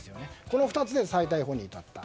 この２つで再逮捕に至った。